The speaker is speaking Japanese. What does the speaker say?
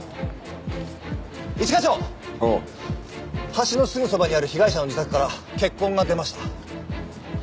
橋のすぐそばにある被害者の自宅から血痕が出ました。